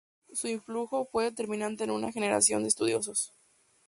Su influjo fue determinante en una generación de estudiosos.